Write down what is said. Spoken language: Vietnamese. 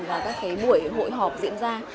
và các cái buổi hội họp diễn ra